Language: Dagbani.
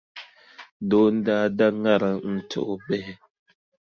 Doo n-daa da ŋariŋ n-ti o bihi.